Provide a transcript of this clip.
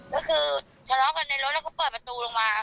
ก็คือทะเลาะกันในรถแล้วเขาเปิดประตูลงมา